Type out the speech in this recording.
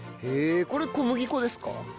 へえこれ小麦粉ですか？